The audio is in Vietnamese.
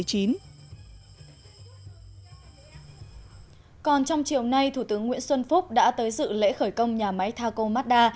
còn trong chiều nay thủ tướng nguyễn xuân phúc đã tới dự lễ khởi công nhà máy taco mazda